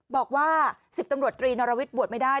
บอกว่า๑๐ตำรวจตรีนอรวิทย์บวชไม่ได้